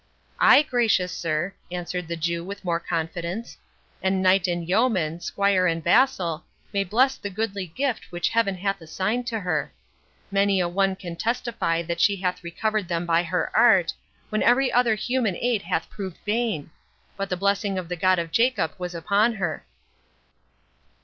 "Ay, gracious sir," answered the Jew, with more confidence; "and knight and yeoman, squire and vassal, may bless the goodly gift which Heaven hath assigned to her. Many a one can testify that she hath recovered them by her art, when every other human aid hath proved vain; but the blessing of the God of Jacob was upon her."